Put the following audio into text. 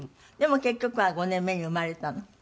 でも結局は５年目に生まれたの？